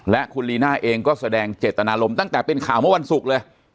และคุณลีน่าเองก็แสดงเจตนารมณ์ตั้งแต่เป็นข่าวเมื่อวันศุกร์เลย